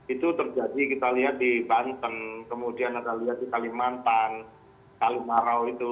itu terjadi kita lihat di banten kemudian anda lihat di kalimantan kalimarau itu